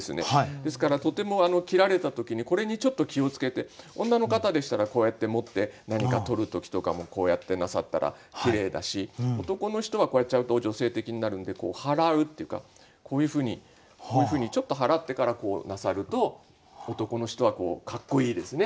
ですからとても着られた時にこれにちょっと気を付けて女の方でしたらこうやって持って何か取る時とかもこうやってなさったらきれいだし男の人はこうやっちゃうと女性的になるんで払うっていうかこういうふうにこういうふうにちょっと払ってからなさると男の人はかっこいいですね。